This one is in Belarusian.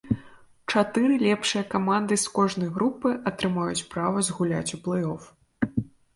Чатыры лепшыя каманды з кожнай групы атрымаюць права згуляць у плэй-оф.